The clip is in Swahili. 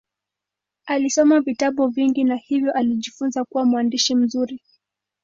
Alisoma vitabu vingi na hivyo alijifunza kuwa mwandishi mzuri.